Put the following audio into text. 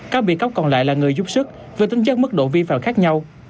các bị cáo còn lại là người giúp sức với tính chất mức độ vi phạm khác nhau